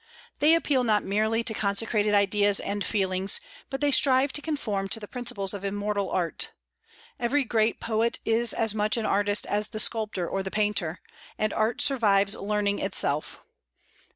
They appeal not merely to consecrated ideas and feelings, but they strive to conform to the principles of immortal art. Every great poet is as much an artist as the sculptor or the painter; and art survives learning itself.